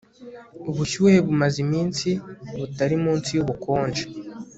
ubushyuhe bumaze iminsi butari munsi yubukonje